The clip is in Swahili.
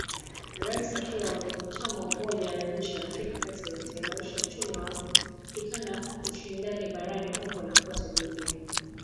Rais akiwa mwanachama wa umoja wa inchi za Afrika ya kati ataimarisha uchumi wa kikanda na ushindani barani huko na kote duniani